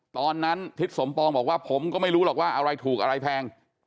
ตอนนั้นทิศสมปองบอกว่าผมก็ไม่รู้หรอกว่าอะไรถูกอะไรแพง